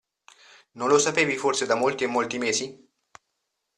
Non lo sapevi forse da molti e molti mesi?